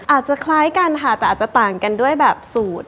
อาจจะคล้ายกันค่ะแต่อาจจะต่างกันด้วยแบบสูตร